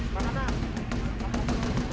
kita dibalik langsung